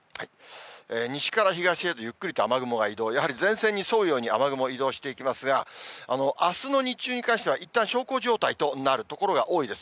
西から東へとゆっくりと雨雲が移動、やはり前線に沿うように雨雲が移動していきますが、あすの日中に関しては、いったん小康状態となる所が多いです。